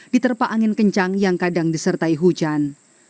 diterpa angin kencang yang kadang disertai hujan